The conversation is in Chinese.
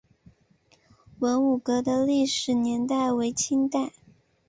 文武阁的历史年代为清代。